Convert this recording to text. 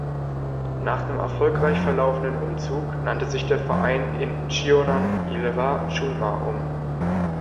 Nach dem erfolgreich verlaufenen Umzug nannte sich der Verein in "Cheonan Ilhwa Chunma" um.